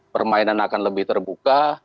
permainan akan lebih terbuka